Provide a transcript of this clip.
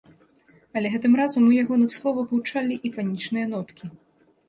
Але гэтым разам у ягоных словах гучалі і панічныя ноткі.